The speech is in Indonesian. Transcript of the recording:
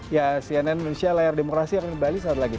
ya cnn indonesia layar demokrasi akan kembali saat lagi